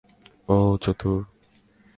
ও চতুর।